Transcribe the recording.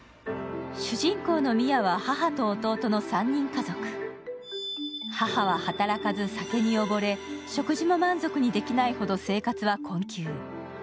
主人公のミアは母と弟の３人家族母は働かず、酒におぼれ、食事も満足にできないほど生活は困窮。